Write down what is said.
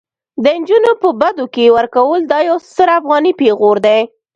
د انجونو په بدو کي ورکول دا يو ستر افغاني پيغور دي